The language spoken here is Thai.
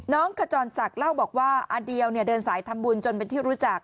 ขจรศักดิ์เล่าบอกว่าอเดียวเดินสายทำบุญจนเป็นที่รู้จัก